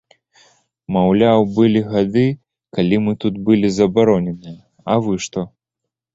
Маўляў, былі гады, калі мы тут былі забароненыя, а вы што?